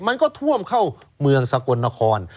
มันก็ท่วมเข้าเมืองสกลนคร